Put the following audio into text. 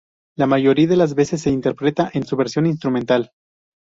La mayoría de las veces se le interpreta en su versión instrumental.